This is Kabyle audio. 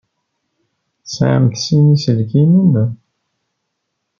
Tesɛamt sin iselkimen?